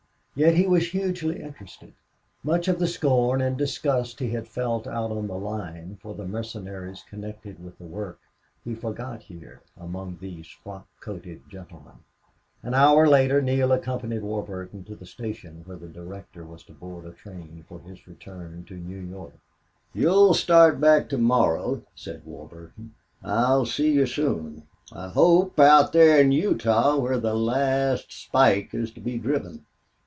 Yet he was hugely, interested. Much of the scorn and disgust he had felt out on the line for the mercenaries connected with the work he forgot here among these frock coated gentlemen. An hour later Neale accompanied Warburton to the station where the director was to board a train for his return to New York. "You'll start back to morrow," said Warburton. "I'll see you soon, I hope out there in Utah where the last spike is to be driven.